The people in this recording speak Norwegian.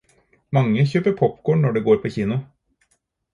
Mange kjøper popcorn når de går på kino.